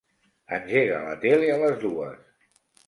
Engega la tele a les dues.